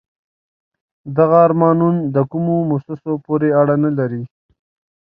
دغه آرمانون د کومو موسسو پورې اړه لري؟